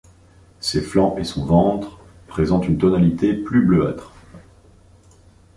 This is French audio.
Ses flancs et son ventre présente une tonalité plus bleuâtre.